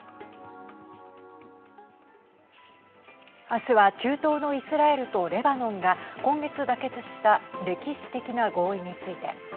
明日は中東のイスラエルとレバノンが今月妥結した歴史的な合意について。